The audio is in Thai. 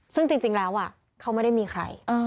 ซึ่งจริงแล้วเขาไม่ได้มีใคร